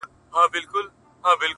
• کال ته به مرمه؛